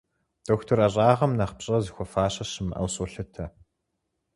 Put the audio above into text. Дохутыр ӏэщӏагъэм нэхъ пщӏэ зыхуэфащэ щымыӏэу солъытэ.